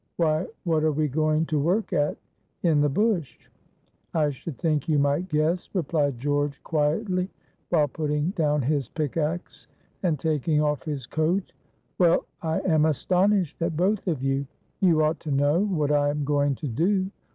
Why, what are we going to work at in the bush?" "I should think you might guess," replied George quietly, while putting down his pickax and taking off his coat. "Well, I am astonished at both of you. You ought to know what I am going to do.